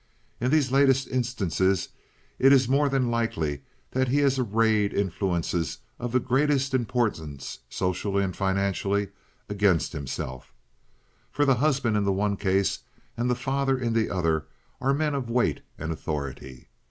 In these latest instances it is more than likely that he has arrayed influences of the greatest importance socially and financially against himself, for the husband in the one case and the father in the other are men of weight and authority.